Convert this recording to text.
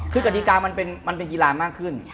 คือกฎิกามันเป็นกีฬามากขึ้น